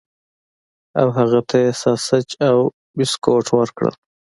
او هغه ته یې ساسج او بسکټ ورکړل